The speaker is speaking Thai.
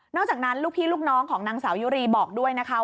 อกจากนั้นลูกพี่ลูกน้องของนางสาวยุรีบอกด้วยนะคะ